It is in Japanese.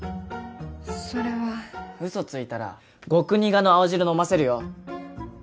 それはウソついたらゴク苦の青汁飲ませるよ